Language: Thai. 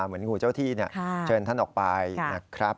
เหมือนงูเจ้าที่เชิญท่านออกไปนะครับ